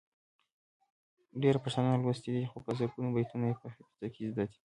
ډیری پښتانه نالوستي دي خو په زرګونو بیتونه یې په حافظه کې زده دي.